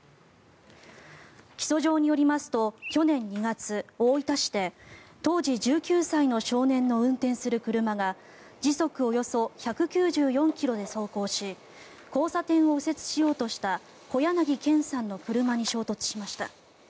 起訴状によりますと去年２月大分市で当時１９歳の少年の運転する車が時速およそ１９４ｋｍで走行し交差点を右折しようとした小柳憲さんの車に衝突しました。